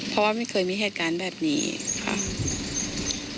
เพราะว่าไม่เคยมีเหตุการณ์แบบนี้ค่ะ